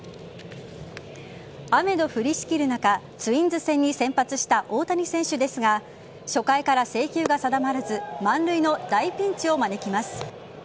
雨の降りしきる中、ツインズ戦に先発した大谷選手ですが初回から制球が定まらず満塁の大ピンチを招きます。